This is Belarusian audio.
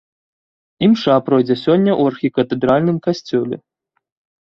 Імша пройдзе сёння ў архікатэдральным касцёле.